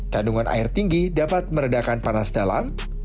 kandungan air tinggi dapat meredakan panas dalam